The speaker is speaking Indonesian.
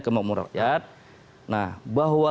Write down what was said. kemurah nah bahwa